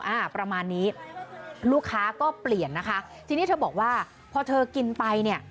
อ่าประมาณนี้ลูกค้าก็เปลี่ยนนะคะทีนี้เธอบอกว่าพอเธอกินไปเนี่ย